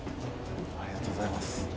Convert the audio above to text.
ありがとうございます。